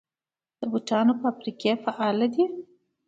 د بوټانو فابریکې فعالې دي؟